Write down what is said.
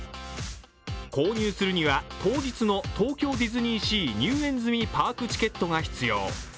購入するには当日の東京ディズニーシー入園済みパークチケットが必要。